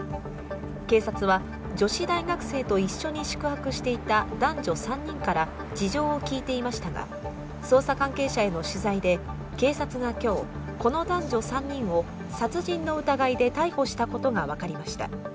警察は女子大生と一緒に宿泊していた男女３人が事情を聴いていましたが捜査関係者への取材で警察が今日、この男女３人を殺人の疑いで逮捕したことが分かりました。